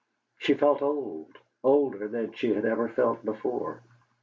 She felt old older than she had ever felt before.